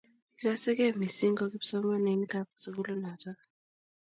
Ikasegei missing ko kipsomaninikab sugulinotok.